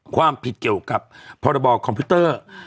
ความผิดเกี่ยวกับพรบคอมพิวเตอร์